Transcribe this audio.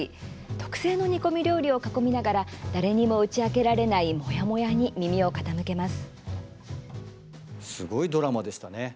特製の煮込み料理を囲みながら誰にも打ち明けられないモヤモヤに耳を傾けます。